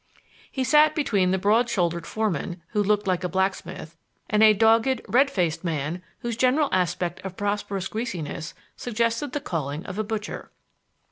He sat between the broad shouldered foreman, who looked like a blacksmith, and a dogged, red faced man whose general aspect of prosperous greasiness suggested the calling of a butcher.